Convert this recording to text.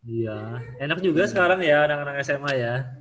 iya enak juga sekarang ya anak anak sma ya